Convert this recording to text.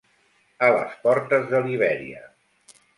A les portes de Libèria.